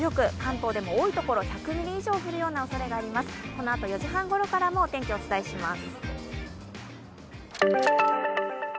このあと４時半ごろからも天気をお伝えします。